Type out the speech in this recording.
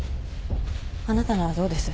あなたならどうです？